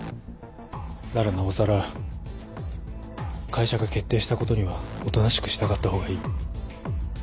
ならなおさら会社が決定したことにはおとなしく従った方がいい。